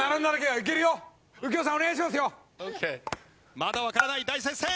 まだわからない大接戦。